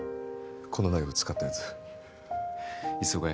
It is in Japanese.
このナイフ使ったやつ磯ヶ